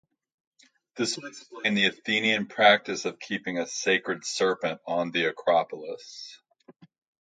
This would explain the Athenian practice of keeping a sacred serpent on the Acropolis.